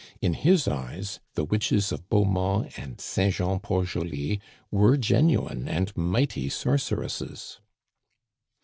In his eyes the witches of Beaumont and St. Jean Port Joli were genuine and mighty sorceresses.